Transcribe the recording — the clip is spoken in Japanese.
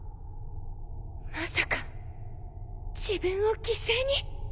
まさか自分を犠牲に！？